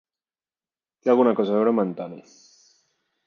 Té alguna cosa a veure amb Antoni.